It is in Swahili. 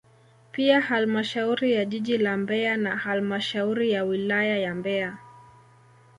Pia halmashauri ya jiji la Mbeya na halmashauri ya wilaya ya Mbeya